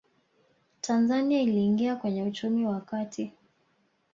tanzania iliingia kwenye uchumi wa kati